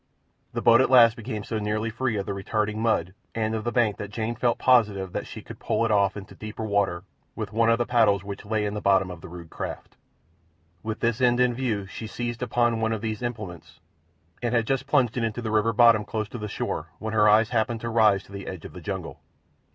The boat at last became so nearly free of the retarding mud and of the bank that Jane felt positive that she could pole it off into deeper water with one of the paddles which lay in the bottom of the rude craft. With this end in view she seized upon one of these implements and had just plunged it into the river bottom close to the shore when her eyes happened to rise to the edge of the jungle.